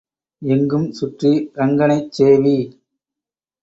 எங்கும் சுற்றி ரங்கனைச் சேவி.